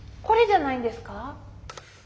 これじゃないんですか？